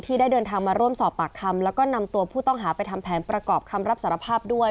ได้เดินทางมาร่วมสอบปากคำแล้วก็นำตัวผู้ต้องหาไปทำแผนประกอบคำรับสารภาพด้วย